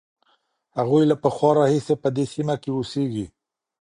هغوی له پخوا راهیسې په دې سیمه کې اوسېږي.